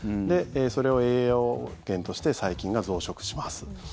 それを栄養源として細菌が増殖します。